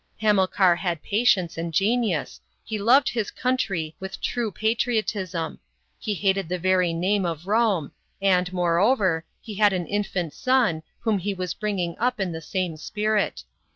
Hamilcar had patience and genius, he loved his country with true patriotism, he hated the very name of Rome, and, moreover, he had an infant son, whom he w r as bringing up in the same spirit.